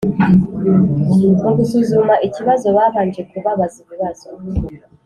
mu gusuzuma ikibazo babanje kubabaza ibibazo